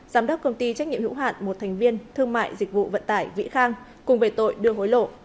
giám đốc công ty trách nhiệm hữu hạn một thành viên thương mại dịch vụ vận tải vĩ khang cùng về tội đưa hối lộ